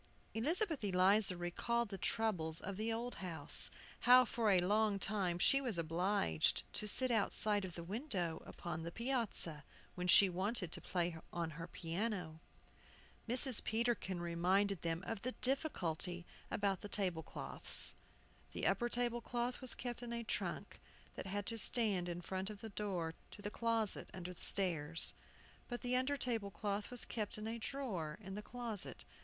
Elizabeth Eliza recalled the troubles of the old house, how for a long time she was obliged to sit outside of the window upon the piazza, when she wanted to play on her piano. Mrs. Peterkin reminded them of the difficulty about the table cloths. The upper table cloth was kept in a trunk that had to stand in front of the door to the closet under the stairs. But the under table cloth was kept in a drawer in the closet.